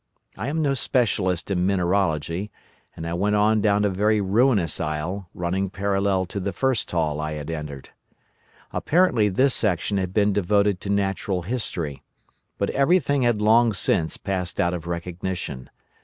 I am no specialist in mineralogy, and I went on down a very ruinous aisle running parallel to the first hall I had entered. Apparently this section had been devoted to natural history, but everything had long since passed out of recognition.